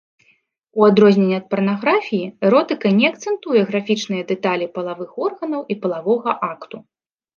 У адрозненне ад парнаграфіі, эротыка не акцэнтуе графічныя дэталі палавых органаў і палавога акту.